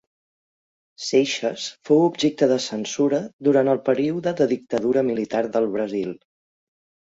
Seixas fou objecte de censura durant el període de dictadura militar del Brasil.